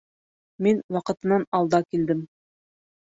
Мин ваҡытынан алда килдем.